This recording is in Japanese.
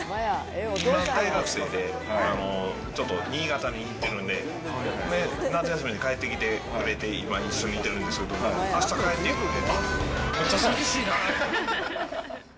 今、大学生で、ちょっと新潟にいてるんでね、夏休みに帰ってきてくれて、今、一緒にいてるんですけど、あした帰っていくんで。